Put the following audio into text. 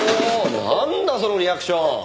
なんだそのリアクション。